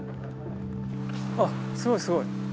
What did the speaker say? あっすごいすごい。